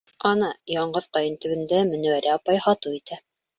Ана, яңғыҙ ҡайын төбөндә Менәүәрә апай һатыу итә.